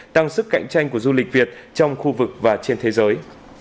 tăng sức cạnh tranh của du lịch việt trong khu vực và trên thế giới